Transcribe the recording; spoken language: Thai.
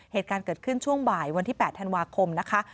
เหตุการณ์เกิดขึ้นช่วงบ่ายวันที่๘ธันวาคมนะคะ